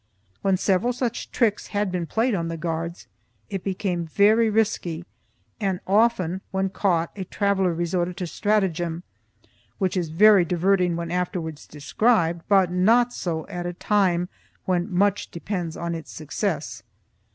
When several such tricks had been played on the guards it became very risky, and often, when caught, a traveller resorted to stratagem, which is very diverting when afterwards described, but not so at a time when much depends on its success.